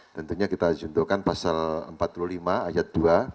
tentunya kita juntuhkan pasal empat puluh lima ayat dua